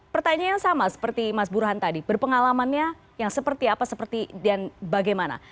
pertanyaan yang sama seperti mas burhan tadi berpengalamannya yang seperti apa seperti dan bagaimana